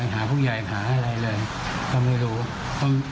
หาพวกยายหาอะไรเลยเขาไม่รู้